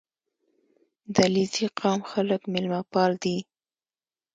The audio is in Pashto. • د علیزي قوم خلک میلمهپال دي.